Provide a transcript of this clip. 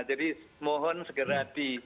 jadi mohon segera